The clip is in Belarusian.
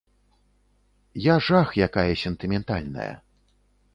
Я жах якая сентыментальная.